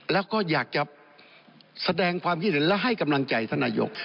แล้วก็อยากจะแสดงความคิดเห็นและให้กำลังใจท่านนายก